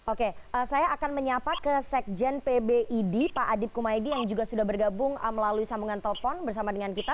oke saya akan menyapa ke sekjen pbid pak adip kumaydi yang juga sudah bergabung melalui sambungan telepon bersama dengan kita